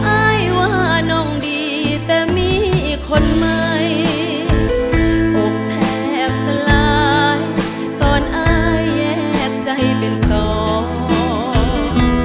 อายว่าน้องดีแต่มีคนใหม่ทุกแทบสลายตอนอายแยกใจเป็นสอง